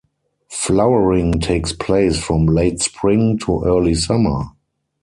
Flowering takes place from late spring to early summer.